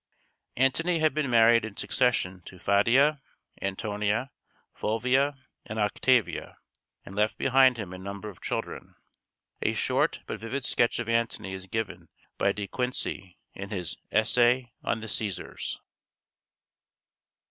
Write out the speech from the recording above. Antony had been married in succession to Fadia, Antonia, Fulvia, and Octavia, and left behind him a number of children. A short but vivid sketch of Antony is given by De Quincey in his "Essay on the Cæsars."